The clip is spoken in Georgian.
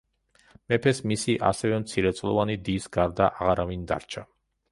მეფეს მისი ასევე მცირეწლოვანი დის გარდა აღარავინ დარჩა.